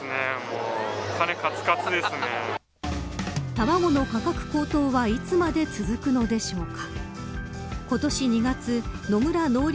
卵の価格高騰はいつまで続くのでしょうか。